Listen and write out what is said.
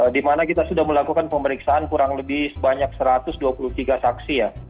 di mana kita sudah melakukan pemeriksaan kurang lebih sebanyak satu ratus dua puluh tiga saksi ya